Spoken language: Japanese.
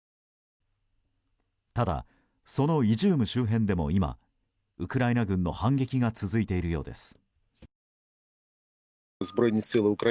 ただ、そのイジューム周辺でも今ウクライナ軍の反撃が続いているようです。